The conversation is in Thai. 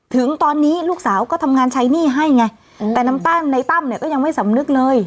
ถึงตอนนี้ลูกสาวก็ทำงานใช้หนี้ให้ไงแต่ในตั้มเนี่ยก็ยังไม่สำนึกเลย